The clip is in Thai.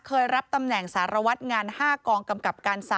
เคยรับตำแหน่งสารวัตรงาน๕กองกำกับการ๓